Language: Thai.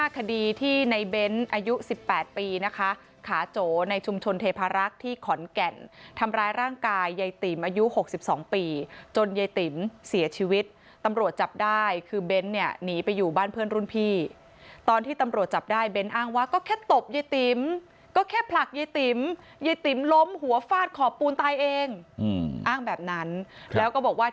คดีที่ในเบ้นอายุ๑๘ปีนะคะขาโจในชุมชนเทพารักษ์ที่ขอนแก่นทำร้ายร่างกายยายติ๋มอายุ๖๒ปีจนยายติ๋มเสียชีวิตตำรวจจับได้คือเบ้นเนี่ยหนีไปอยู่บ้านเพื่อนรุ่นพี่ตอนที่ตำรวจจับได้เบ้นอ้างว่าก็แค่ตบยายติ๋มก็แค่ผลักยายติ๋มยายติ๋มล้มหัวฟาดขอบปูนตายเองอ้างแบบนั้นแล้วก็บอกว่า